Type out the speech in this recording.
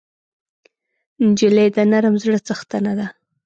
نجلۍ د نرم زړه څښتنه ده.